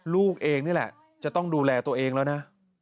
ลูกเองนี่แหละจะต้องดูแลตัวเองแล้วนะ